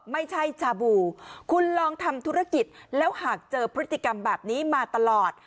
ไม่ใช่ชาบูคุณลองทำธุรกิจแล้วหากเจอพฤติกรรมแบบนี้มาตลอด